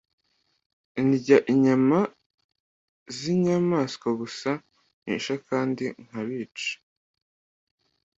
ndya inyama zinyamaswa gusa nishe kandi nkabica